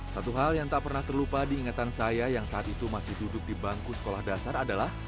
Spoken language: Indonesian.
satu hal yang tak pernah terlupa diingatan saya yang saat itu masih duduk di bangku sekolah dasar adalah